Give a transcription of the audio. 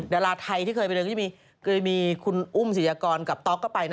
ดาราไทยที่เคยไปเดินก็จะมีคุณอุ้มศิยากรกับต๊อกก็ไป